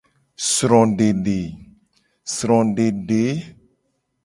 Srodede.